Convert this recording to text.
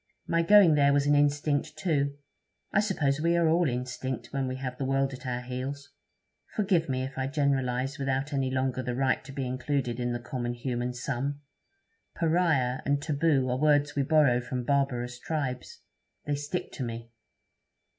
My going there was an instinct, too. I suppose we are all instinct when we have the world at our heels. Forgive me if I generalize without any longer the right to be included in the common human sum. "Pariah" and "taboo" are words we borrow from barbarous tribes; they stick to me.'